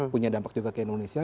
punya dampak juga ke indonesia